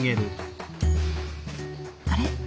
あれ？